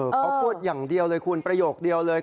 เขาพูดอย่างเดียวเลยคุณประโยคเดียวเลย